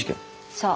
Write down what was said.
そう。